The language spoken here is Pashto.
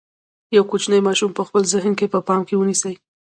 یو کوچنی ماشوم په خپل ذهن کې په پام کې ونیسئ.